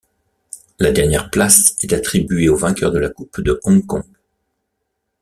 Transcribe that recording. La dernière place est attribuée au vainqueur de la coupe de Hong Kong.